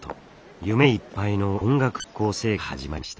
夢いっぱいの音楽学校生活が始まりました。